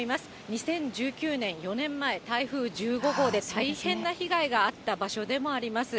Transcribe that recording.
２０１９年、４年前、台風１５号で大変な被害があった場所でもあります。